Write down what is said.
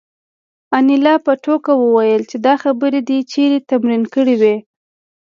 انیلا په ټوکه وویل چې دا خبرې دې چېرته تمرین کړې وې